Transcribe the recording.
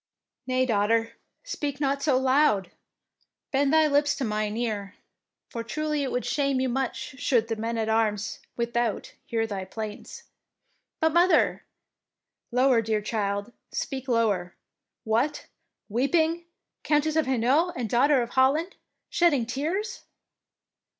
" "Nay, daughter, speak not so loud, bend thy lips to mine ear, for truly it would shame you much should the men at arms without hear thy plaints." " But, mother —" "Lower, dear child, speak lower. What ! weeping? Countess of Hainault and Daughter of Holland shedding tears?